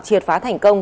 triệt phá thành công